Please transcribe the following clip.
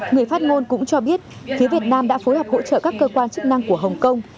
người phát ngôn cũng cho biết phía việt nam đã phối hợp hỗ trợ các cơ quan chức năng của hồng kông